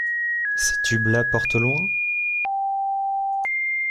Ces tubes-là portent loin?